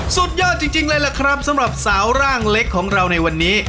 สุดยอดจริงเลยล่ะครับสำหรับสาวร่างเล็กของเราในวันนี้